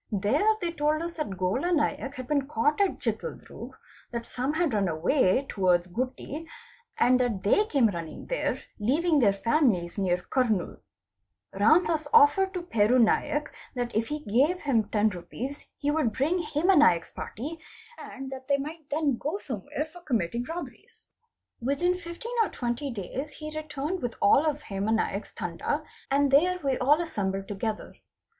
There they told us that Gola Naik had been caught at Chitaldroog, that some had run away towards Gutti, and that they came running there leaving their families near Kurnool. Ramdas offered to Peru Naik that if he gave him 10 rupees he would bring Hema Naik's party and that they might then go somewhere for committing robberies. Within 15 or 20 days he returned with all of Hema Naik's Tanda, and there we all assembled together.